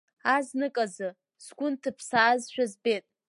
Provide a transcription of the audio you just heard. Азныказы, сгәы нҭыԥсаазшәа збеит.